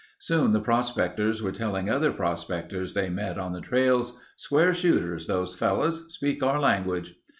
Soon the prospectors were telling other prospectors they met on the trails: "Square shooters—those fellows. Speak our language...."